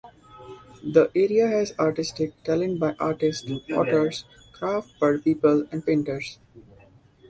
The area has artistic talent by artists, potters, craft people and painters.